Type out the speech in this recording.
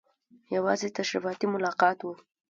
یوازې تشریفاتي ملاقات وو.